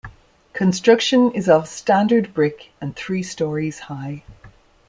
Construction is of standard brick and three stories high.